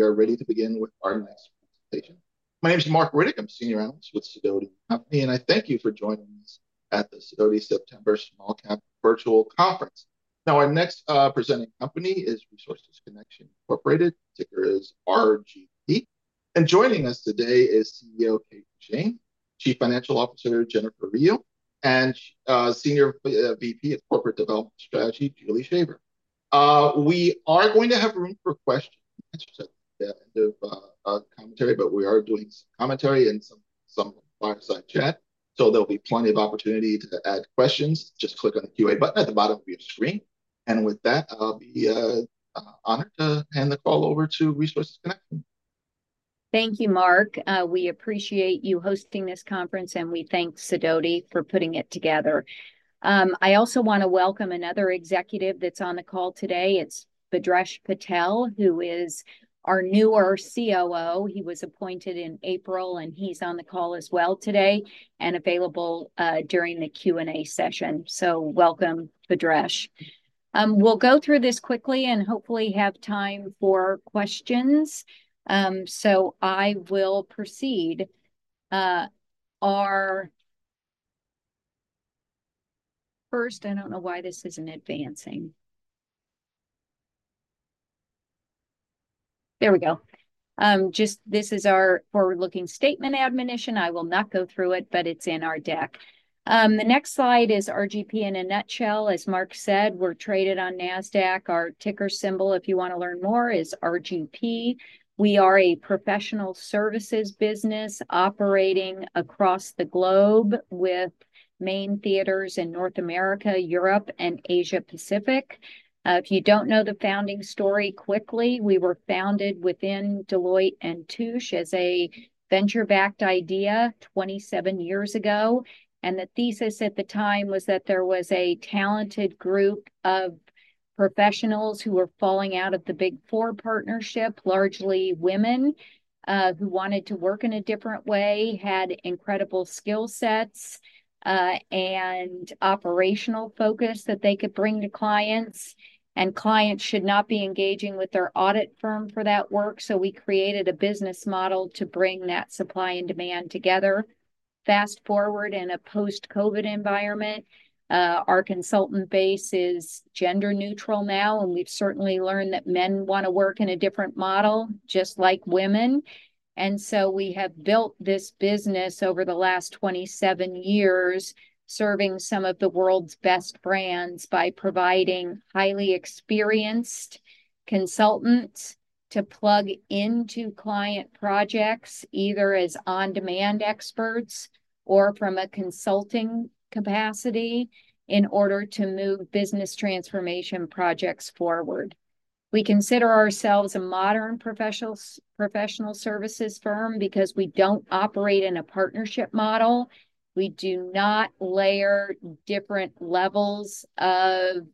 And we are ready to begin with our next presentation. My name is Marc Riddick. I'm Senior Analyst with Sidoti & Company, and I thank you for joining us at the Sidoti September Small Cap Virtual Conference. Now, our next presenting company is Resources Connection, Inc., ticker is RGP, and joining us today is CEO Kate Duchene, Chief Financial Officer Jennifer Ryu, and Senior VP of Corporate Development Strategy, Julie Shaver. We are going to have room for questions at the end of commentary, but we are doing some commentary and some fireside chat, so there'll be plenty of opportunity to add questions. Just click on the Q&A button at the bottom of your screen, and with that, I'll be honored to hand the call over to Resources Connection. Thank you, Marc. We appreciate you hosting this conference, and we thank Sidoti for putting it together. I also want to welcome another executive that's on the call today. It's Bhadresh Patel, who is our newer COO. He was appointed in April, and he's on the call as well today and available during the Q&A session. So welcome, Bhadresh. We'll go through this quickly and hopefully have time for questions. So I will proceed. First, I don't know why this isn't advancing. There we go. Just this is our forward-looking statement admonition. I will not go through it, but it's in our deck. The next slide is RGP in a nutshell. As Marc said, we're traded on Nasdaq. Our ticker symbol, if you want to learn more, is RGP. We are a professional services business operating across the globe with main theaters in North America, Europe, and Asia Pacific. If you don't know the founding story, quickly, we were founded within Deloitte & Touche as a venture-backed idea twenty-seven years ago, and the thesis at the time was that there was a talented group of professionals who were falling out of the Big Four partnership, largely women, who wanted to work in a different way, had incredible skill sets, and operational focus that they could bring to clients, and clients should not be engaging with their audit firm for that work. So we created a business model to bring that supply and demand together. Fast-forward in a post-COVID environment, our consultant base is gender-neutral now, and we've certainly learned that men want to work in a different model, just like women. And so we have built this business over the last 27 years, serving some of the world's best brands by providing highly experienced consultants to plug into client projects, either as on-demand experts or from a consulting capacity, in order to move business transformation projects forward. We consider ourselves a modern professional services firm because we don't operate in a partnership model. We do not layer different levels of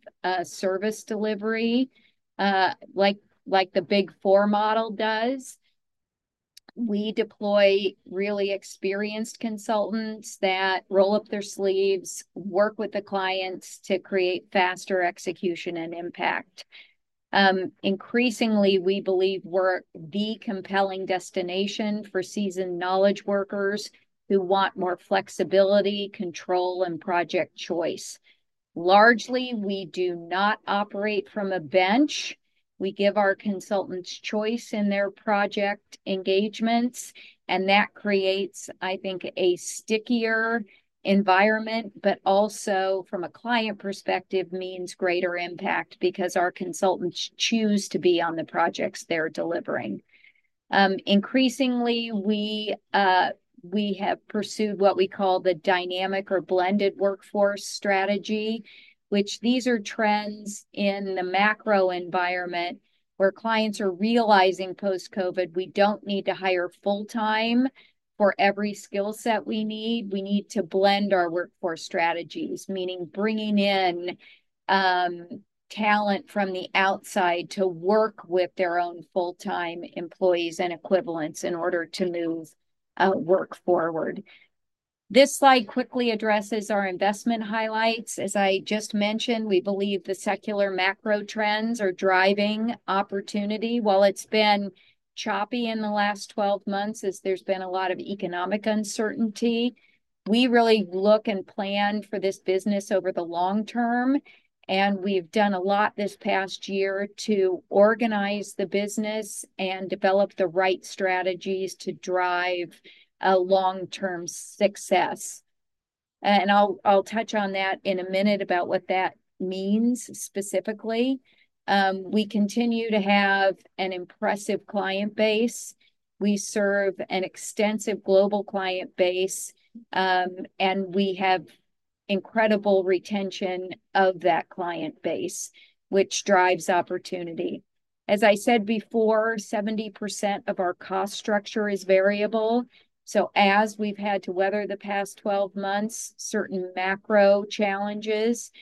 service delivery like the Big Four model does. We deploy really experienced consultants that roll up their sleeves, work with the clients to create faster execution and impact. Increasingly, we believe we're the compelling destination for seasoned knowledge workers who want more flexibility, control, and project choice. Largely, we do not operate from a bench. We give our consultants choice in their project engagements, and that creates, I think, a stickier environment, but also, from a client perspective, means greater impact because our consultants choose to be on the projects they're delivering. Increasingly, we have pursued what we call the dynamic or blended workforce strategy, which these are trends in the macro environment where clients are realizing post-COVID, we don't need to hire full-time for every skill set we need. We need to blend our workforce strategies, meaning bringing in talent from the outside to work with their own full-time employees and equivalents in order to move work forward. This slide quickly addresses our investment highlights. As I just mentioned, we believe the secular macro trends are driving opportunity. While it's been choppy in the last twelve months as there's been a lot of economic uncertainty, we really look and plan for this business over the long term, and we've done a lot this past year to organize the business and develop the right strategies to drive a long-term success, and I'll touch on that in a minute about what that means specifically. We continue to have an impressive client base. We serve an extensive global client base, and we have incredible retention of that client base, which drives opportunity. As I said before, 70% of our cost structure is variable. So as we've had to weather the past twelve months, certain macro challenges,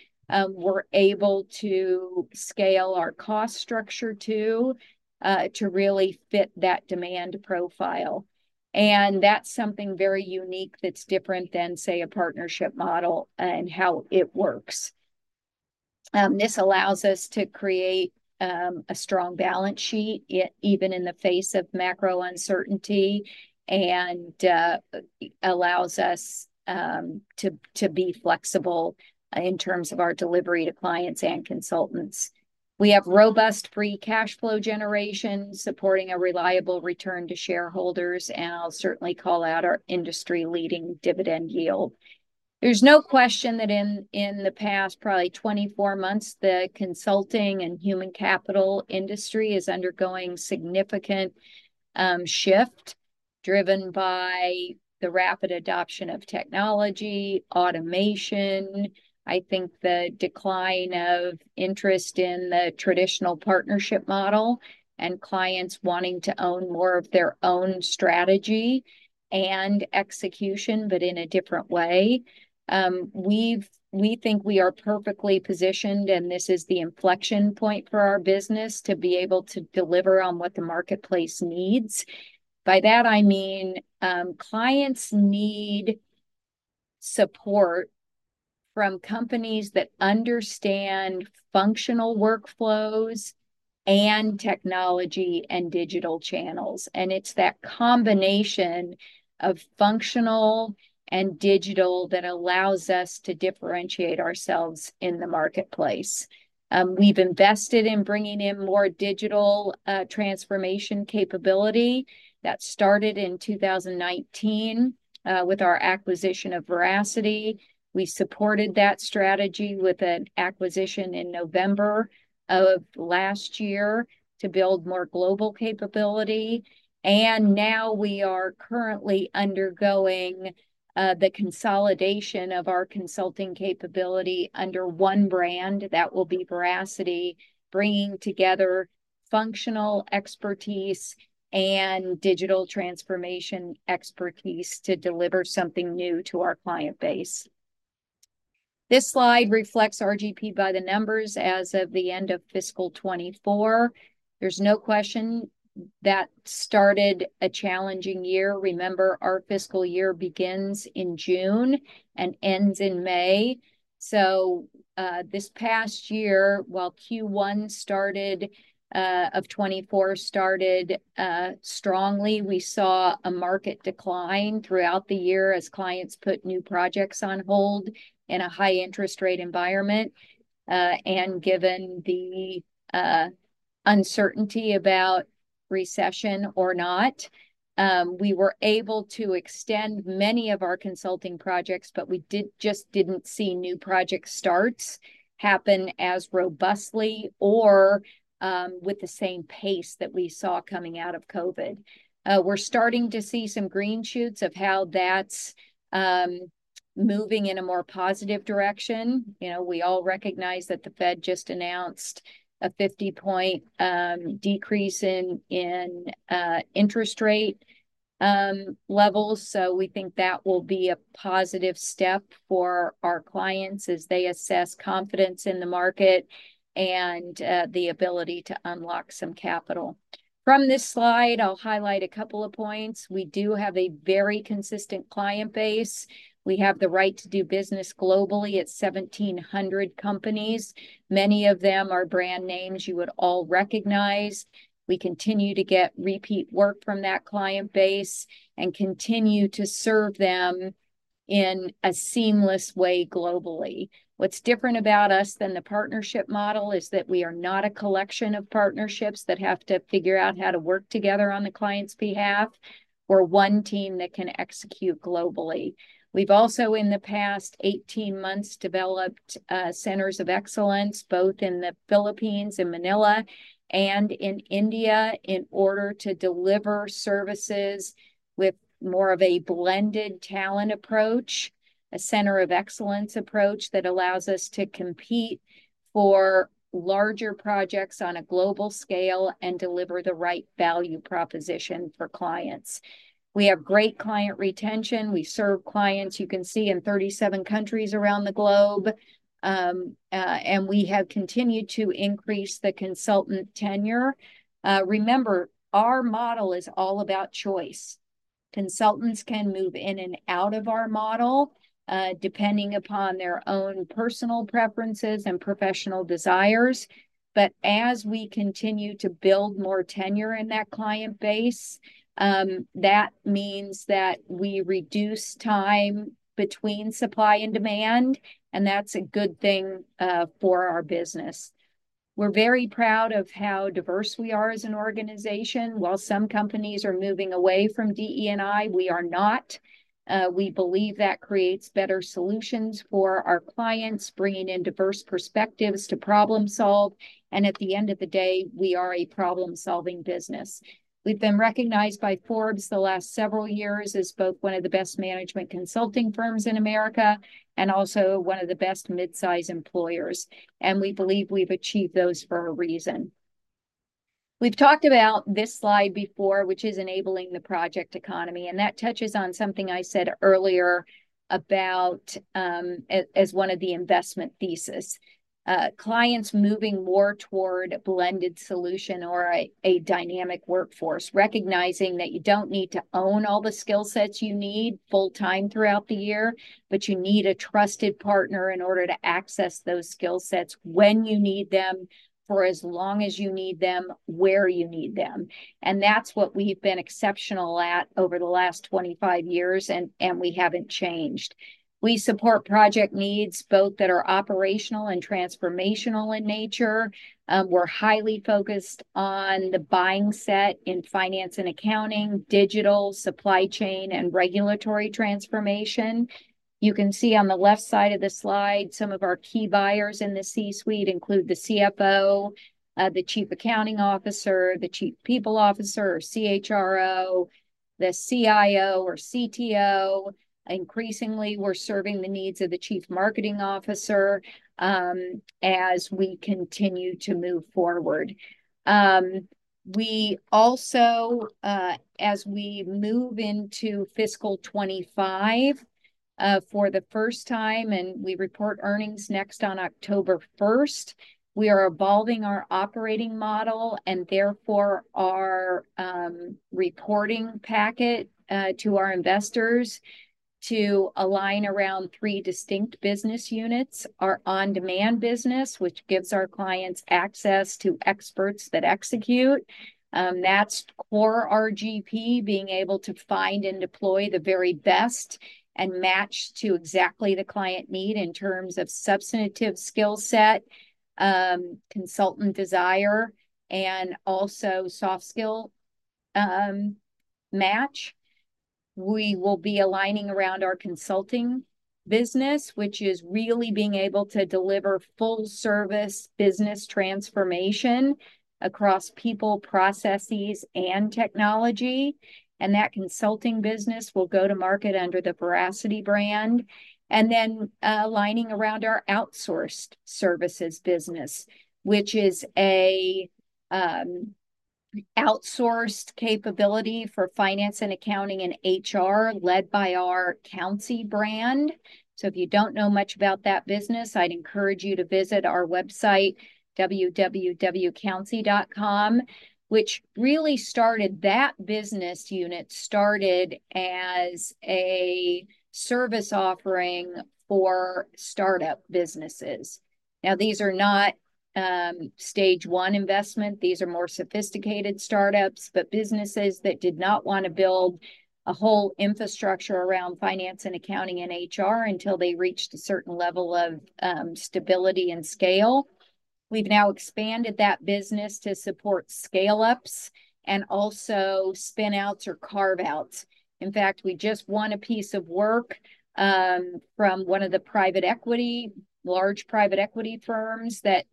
we're able to scale our cost structure, too, to really fit that demand profile, and that's something very unique that's different than, say, a partnership model and how it works. This allows us to create a strong balance sheet, even in the face of macro uncertainty, and allows us to be flexible in terms of our delivery to clients and consultants. We have robust free cash flow generation, supporting a reliable return to shareholders, and I'll certainly call out our industry-leading dividend yield. There's no question that in the past probably 24 months, the consulting and human capital industry is undergoing significant shift, driven by the rapid adoption of technology, automation, I think the decline of interest in the traditional partnership model, and clients wanting to own more of their own strategy and execution, but in a different way. We think we are perfectly positioned, and this is the inflection point for our business to be able to deliver on what the marketplace needs. By that, I mean, clients need support from companies that understand functional workflows and technology and digital channels, and it's that combination of functional and digital that allows us to differentiate ourselves in the marketplace. We've invested in bringing in more digital transformation capability. That started in 2019 with our acquisition of Veracity. We supported that strategy with an acquisition in November of last year to build more global capability, and now we are currently undergoing the consolidation of our consulting capability under one brand. That will be Veracity, bringing together functional expertise and digital transformation expertise to deliver something new to our client base. This slide reflects RGP by the numbers as of the end of fiscal 2024. There's no question that started a challenging year. Remember, our fiscal year begins in June and ends in May. So, this past year, while Q1 of 2024 started strongly, we saw a market decline throughout the year as clients put new projects on hold in a high interest rate environment. And given the uncertainty about recession or not, we were able to extend many of our consulting projects, but we just didn't see new project starts happen as robustly or with the same pace that we saw coming out of COVID. We're starting to see some green shoots of how that's moving in a more positive direction. You know, we all recognize that the Fed just announced a fifty-point decrease in interest rate levels, so we think that will be a positive step for our clients as they assess confidence in the market and the ability to unlock some capital. From this slide, I'll highlight a couple of points. We do have a very consistent client base. We have the right to do business globally at 1,700 companies. Many of them are brand names you would all recognize. We continue to get repeat work from that client base and continue to serve them in a seamless way globally. What's different about us than the partnership model is that we are not a collection of partnerships that have to figure out how to work together on the client's behalf. We're one team that can execute globally. We've also, in the past eighteen months, developed centers of excellence, both in the Philippines in Manila and in India, in order to deliver services with more of a blended talent approach, a center of excellence approach that allows us to compete for larger projects on a global scale and deliver the right value proposition for clients. We have great client retention. We serve clients, you can see, in thirty-seven countries around the globe. And we have continued to increase the consultant tenure. Remember, our model is all about choice. Consultants can move in and out of our model, depending upon their own personal preferences and professional desires. But as we continue to build more tenure in that client base, that means that we reduce time between supply and demand, and that's a good thing for our business. We're very proud of how diverse we are as an organization. While some companies are moving away from DE&I, we are not. We believe that creates better solutions for our clients, bringing in diverse perspectives to problem solve, and at the end of the day, we are a problem-solving business. We've been recognized by Forbes the last several years as both one of the best management consulting firms in America, and also one of the best mid-size employers, and we believe we've achieved those for a reason. We've talked about this slide before, which is enabling the project economy, and that touches on something I said earlier about as one of the investment thesis. Clients moving more toward a blended solution or a dynamic workforce, recognizing that you don't need to own all the skill sets you need full-time throughout the year, but you need a trusted partner in order to access those skill sets when you need them, for as long as you need them, where you need them. And that's what we've been exceptional at over the last 25 years, and we haven't changed. We support project needs, both that are operational and transformational in nature. We're highly focused on the buying set in finance and accounting, digital supply chain, and regulatory transformation. You can see on the left side of the slide some of our key buyers in the C-suite include the CFO, the Chief Accounting Officer, the Chief People Officer or CHRO, the CIO or CTO. Increasingly, we're serving the needs of the Chief Marketing Officer, as we continue to move forward. We also, as we move into fiscal 2025, for the first time, and we report earnings next on October 1st, we are evolving our operating model, and therefore, our reporting packet, to our investors to align around three distinct business units. Our on-demand business, which gives our clients access to experts that execute. That's core RGP being able to find and deploy the very best and match to exactly the client need in terms of substantive skill set, consultant desire, and also soft skill match. We will be aligning around our consulting business, which is really being able to deliver full-service business transformation across people, processes, and technology, and that consulting business will go to market under the Veracity brand. And then, aligning around our outsourced services business, which is a outsourced capability for finance and accounting and HR, led by our Countsy brand. So if you don't know much about that business, I'd encourage you to visit our website, www.countsy.com. That business unit started as a service offering for startup businesses. Now, these are not stage-one investment. These are more sophisticated startups, but businesses that did not want to build a whole infrastructure around finance and accounting and HR until they reached a certain level of stability and scale. We've now expanded that business to support scale-ups, and also spin-outs or carve-outs. In fact, we just won a piece of work from one of the private equity, large private equity firms, that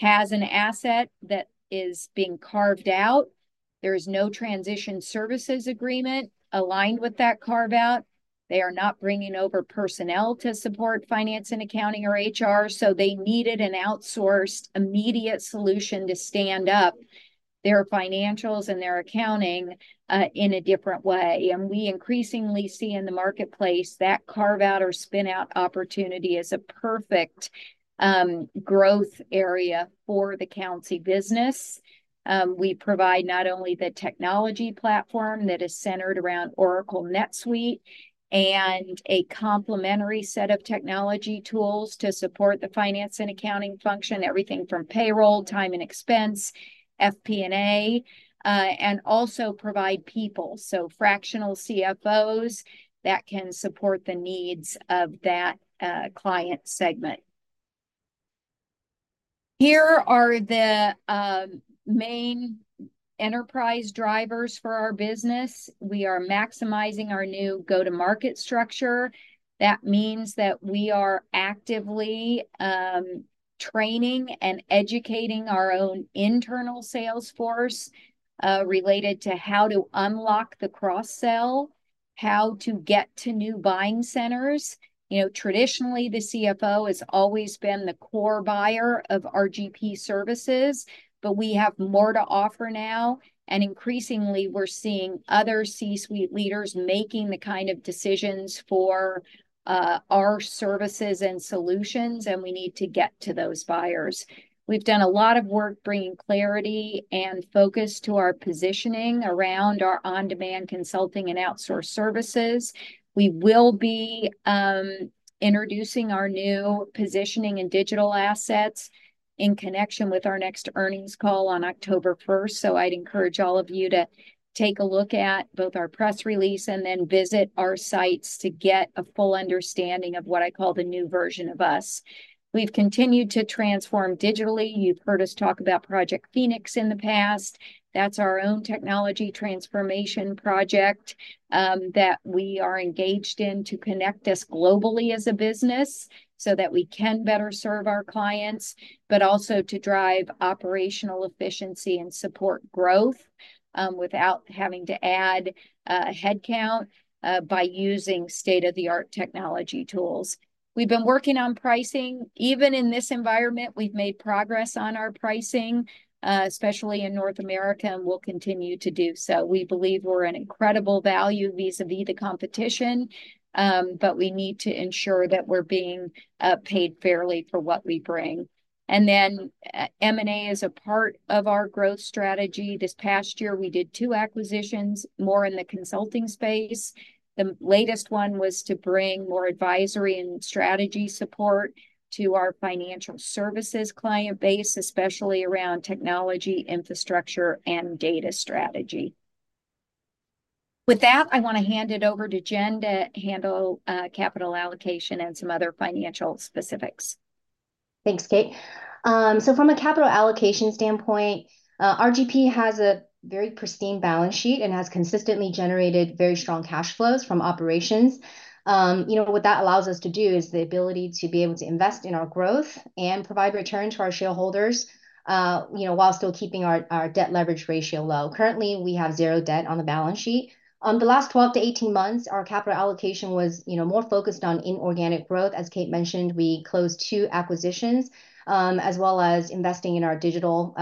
has an asset that is being carved out. There is no transition services agreement aligned with that carve-out. They are not bringing over personnel to support finance and accounting or HR, so they needed an outsourced, immediate solution to stand up their financials and their accounting in a different way. We increasingly see in the marketplace that carve-out or spin-out opportunity is a perfect growth area for the Countsy business. We provide not only the technology platform that is centered around Oracle NetSuite and a complementary set of technology tools to support the finance and accounting function, everything from payroll, time and expense, FP&A, and also provide people, so fractional CFOs that can support the needs of that client segment. Here are the main enterprise drivers for our business. We are maximizing our new go-to-market structure. That means that we are actively training and educating our own internal sales force related to how to unlock the cross-sell, how to get to new buying centers. You know, traditionally, the CFO has always been the core buyer of RGP services, but we have more to offer now, and increasingly, we're seeing other C-suite leaders making the kind of decisions for our services and solutions, and we need to get to those buyers. We've done a lot of work bringing clarity and focus to our positioning around our on-demand consulting and outsourced services. We will be introducing our new positioning and digital assets in connection with our next earnings call on 1 October. So I'd encourage all of you to take a look at both our press release and then visit our sites to get a full understanding of what I call the new version of us. We've continued to transform digitally. You've heard us talk about Project Phoenix in the past. That's our own technology transformation project that we are engaged in to connect us globally as a business so that we can better serve our clients, but also to drive operational efficiency and support growth without having to add headcount by using state-of-the-art technology tools. We've been working on pricing. Even in this environment, we've made progress on our pricing, especially in North America, and we'll continue to do so. We believe we're an incredible value vis-a-vis the competition, but we need to ensure that we're being paid fairly for what we bring. Then, M&A is a part of our growth strategy. This past year, we did two acquisitions, more in the consulting space. The latest one was to bring more advisory and strategy support to our financial services client base, especially around technology, infrastructure, and data strategy. With that, I wanna hand it over to Jen to handle capital allocation and some other financial specifics. Thanks, Kate. So from a capital allocation standpoint, RGP has a very pristine balance sheet and has consistently generated very strong cash flows from operations. You know, what that allows us to do is the ability to be able to invest in our growth and provide return to our shareholders, you know, while still keeping our debt leverage ratio low. Currently, we have zero debt on the balance sheet. On the last 12 to 18 months, our capital allocation was, you know, more focused on inorganic growth. As Kate mentioned, we closed two acquisitions, as well as investing in our digital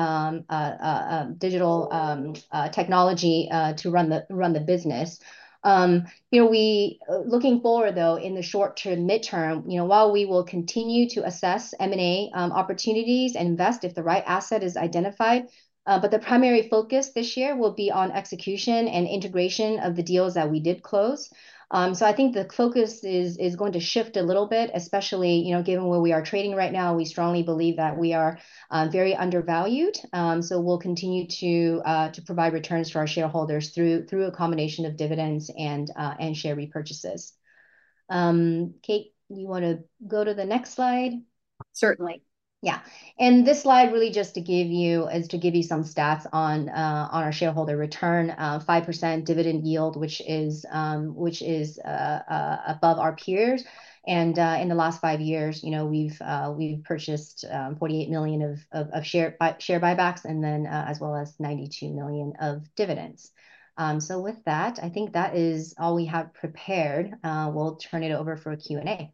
technology to run the business. You know, looking forward, though, in the short term, midterm, you know, while we will continue to assess M&A opportunities and invest if the right asset is identified, but the primary focus this year will be on execution and integration of the deals that we did close. So I think the focus is going to shift a little bit, especially, you know, given where we are trading right now. We strongly believe that we are very undervalued. So we'll continue to provide returns for our shareholders through a combination of dividends and share repurchases. Kate, you wanna go to the next slide? Certainly. Yeah, and this slide really just to give you some stats on our shareholder return. 5% dividend yield, which is above our peers, and in the last five years, you know, we've purchased $48 million of share buybacks and then as well as $92 million of dividends. So with that, I think that is all we have prepared. We'll turn it over for Q&A.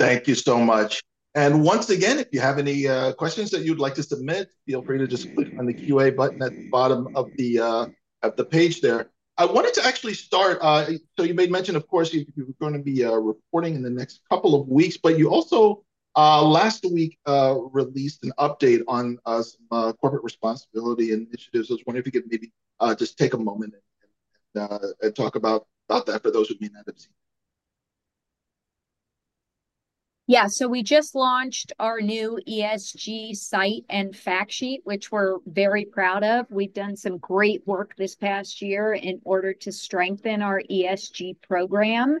Thank you so much. And once again, if you have any questions that you'd like to submit, feel free to just click on the Q&A button at the bottom of the page there. I wanted to actually start, so you made mention, of course, you were gonna be reporting in the next couple of weeks, but you also last week released an update on us corporate responsibility and initiatives. I was wondering if you could maybe just take a moment and talk about that for those who may not have seen. Yeah, so we just launched our new ESG site and fact sheet, which we're very proud of. We've done some great work this past year in order to strengthen our ESG program.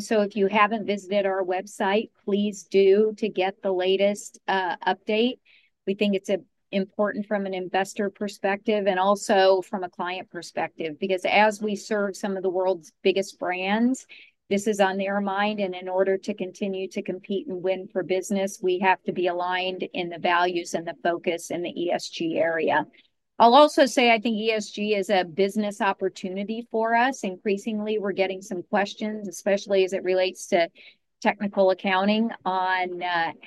So if you haven't visited our website, please do, to get the latest update. We think it's important from an investor perspective and also from a client perspective. Because as we serve some of the world's biggest brands, this is on their mind, and in order to continue to compete and win for business, we have to be aligned in the values and the focus in the ESG area. I'll also say, I think ESG is a business opportunity for us. Increasingly, we're getting some questions, especially as it relates to technical accounting, on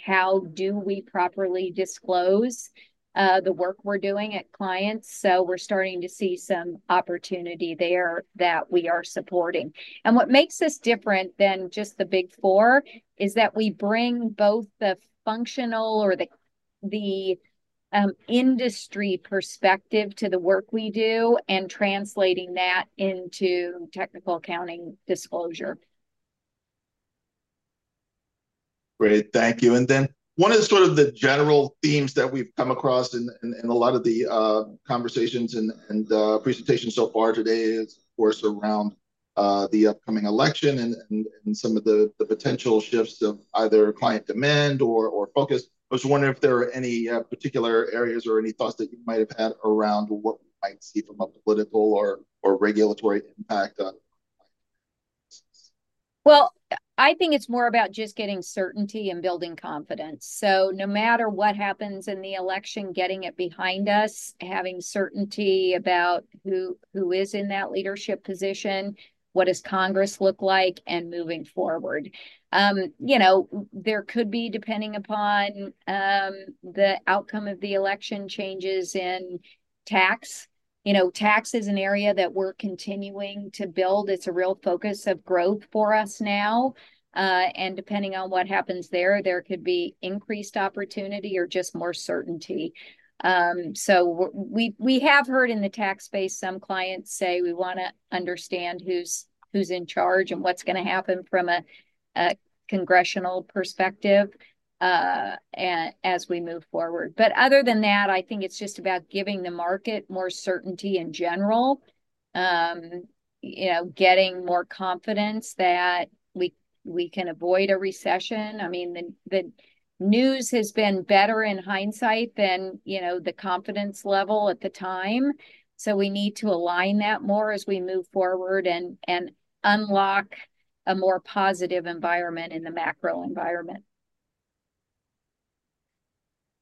how do we properly disclose the work we're doing at clients. We're starting to see some opportunity there that we are supporting. What makes us different than just the Big Four is that we bring both the functional or the industry perspective to the work we do, and translating that into technical accounting disclosure. Great, thank you. And then, one of the sort of general themes that we've come across in a lot of the conversations and presentations so far today is, of course, around the upcoming election and some of the potential shifts of either client demand or focus. I was wondering if there are any particular areas or any thoughts that you might have had around what we might see from a political or regulatory impact on clients? I think it's more about just getting certainty and building confidence. So no matter what happens in the election, getting it behind us, having certainty about who is in that leadership position, what does Congress look like, and moving forward. You know, there could be, depending upon the outcome of the election, changes in tax. You know, tax is an area that we're continuing to build. It's a real focus of growth for us now. And depending on what happens there, there could be increased opportunity or just more certainty. So we have heard in the tax space, some clients say we wanna understand who's in charge and what's gonna happen from a congressional perspective, as we move forward. But other than that, I think it's just about giving the market more certainty in general. You know, getting more confidence that we can avoid a recession. I mean, the news has been better in hindsight than you know, the confidence level at the time, so we need to align that more as we move forward and unlock a more positive environment in the macro environment. ...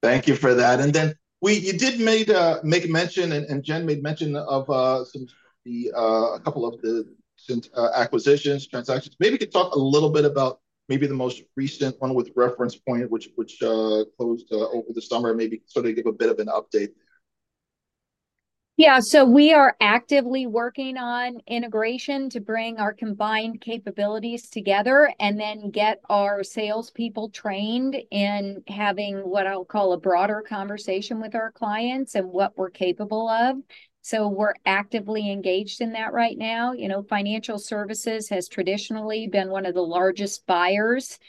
Thank you for that. And then we, you did made, make mention, and Jen made mention of some, the, a couple of the recent acquisitions, transactions. Maybe you could talk a little bit about maybe the most recent one with Reference Point, which closed over the summer, maybe sort of give a bit of an update there. Yeah, so we are actively working on integration to bring our combined capabilities together, and then get our salespeople trained in having what I'll call a broader conversation with our clients and what we're capable of, so we're actively engaged in that right now. You know, financial services has traditionally been one of the largest buyers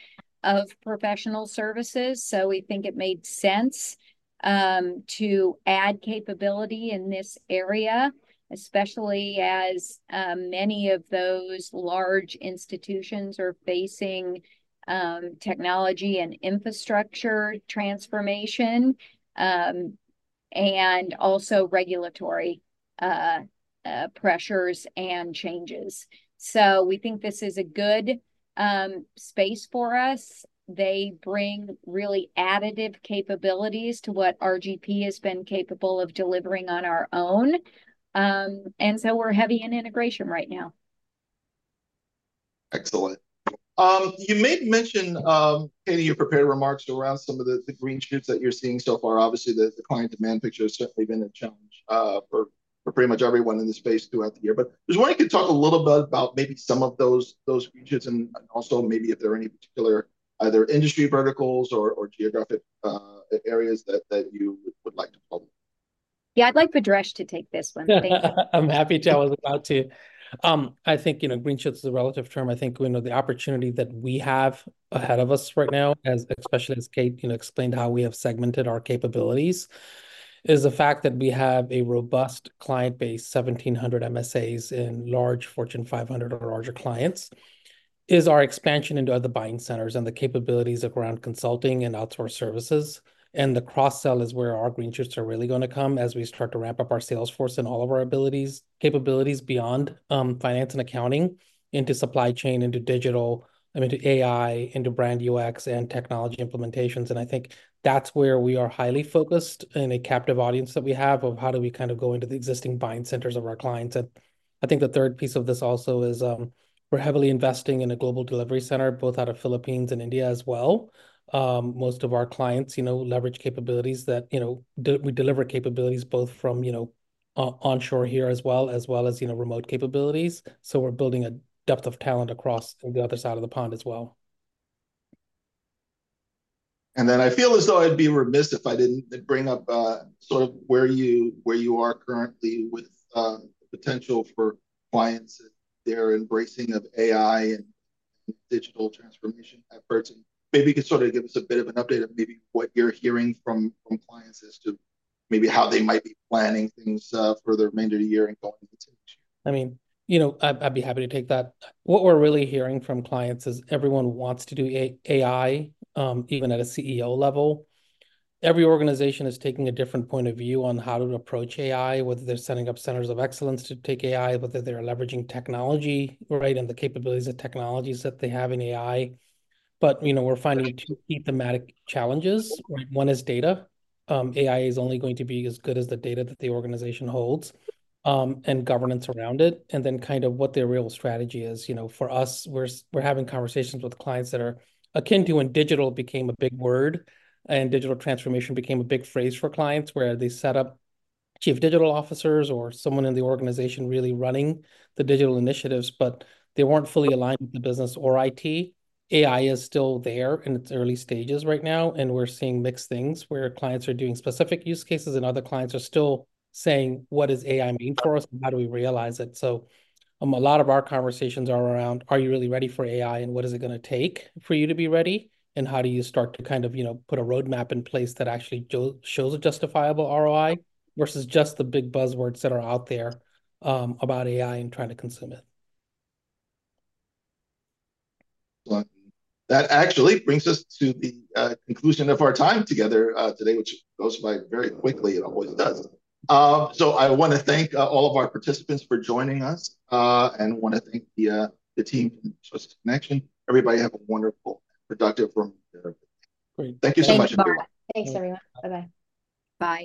of professional services, so we think it made sense to add capability in this area, especially as many of those large institutions are facing technology and infrastructure transformation and also regulatory pressures and changes, so we think this is a good space for us. They bring really additive capabilities to what RGP has been capable of delivering on our own, and so we're heavy in integration right now. Excellent. You made mention in your prepared remarks around some of the green shoots that you're seeing so far. Obviously, the client demand picture has certainly been a challenge for pretty much everyone in this space throughout the year. But just wonder if you could talk a little bit about maybe some of those green shoots, and also maybe if there are any particular either industry verticals or geographic areas that you would like to call? Yeah, I'd like Bhadresh to take this one. Thank you. I'm happy to. I was about to. I think, you know, green shoots is a relative term. I think, you know, the opportunity that we have ahead of us right now, as especially as Kate, you know, explained how we have segmented our capabilities, is the fact that we have a robust client base, 1,700 MSAs in large Fortune 500 or larger clients, is our expansion into other buying centers and the capabilities around consulting and outsource services, and the cross sell is where our green shoots are really gonna come as we start to ramp up our sales force and all of our abilities... capabilities beyond finance and accounting, into supply chain, into digital, I mean, to AI, into brand UX and technology implementations. And I think that's where we are highly focused in a captive audience that we have, of how do we kind of go into the existing buying centers of our clients? And I think the third piece of this also is, we're heavily investing in a global delivery center, both out of Philippines and India as well. Most of our clients, you know, leverage capabilities that, you know, we deliver capabilities both from, you know, onshore here as well, as well as, you know, remote capabilities. So we're building a depth of talent across the other side of the pond as well. And then I feel as though I'd be remiss if I didn't bring up, sort of where you are currently with, potential for clients that they're embracing of AI and digital transformation efforts. And maybe you could sort of give us a bit of an update of maybe what you're hearing from clients as to maybe how they might be planning things, for the remainder of the year and going into next year. I mean, you know, I'd be happy to take that. What we're really hearing from clients is everyone wants to do AI, even at a CEO level. Every organization is taking a different point of view on how to approach AI, whether they're setting up centers of excellence to take AI, whether they're leveraging technology, right, and the capabilities of technologies that they have in AI. But, you know, we're finding two thematic challenges. One is data. AI is only going to be as good as the data that the organization holds, and governance around it, and then kind of what their real strategy is. You know, for us, we're having conversations with clients that are akin to when digital became a big word, and digital transformation became a big phrase for clients, where they set up chief digital officers or someone in the organization really running the digital initiatives, but they weren't fully aligned with the business or IT. AI is still there in its early stages right now, and we're seeing mixed things, where clients are doing specific use cases, and other clients are still saying: "What does AI mean for us, and how do we realize it?" So, a lot of our conversations are around, are you really ready for AI, and what is it gonna take for you to be ready? How do you start to kind of, you know, put a roadmap in place that actually shows a justifiable ROI, versus just the big buzzwords that are out there, about AI and trying to consume it? Well, that actually brings us to the conclusion of our time together, today, which goes by very quickly. It always does, so I wanna thank all of our participants for joining us, and wanna thank the team for this connection. Everybody, have a wonderful, productive room. Great. Thank you so much. Thanks, everyone. Bye-bye. Bye.